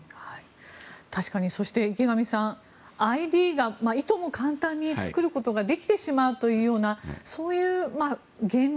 確かに、そして池上さんＩＤがいとも簡単に作ることができてしまうというようなそういう現状